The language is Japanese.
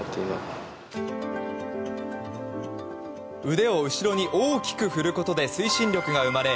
腕を後ろに大きく振ることで推進力が生まれ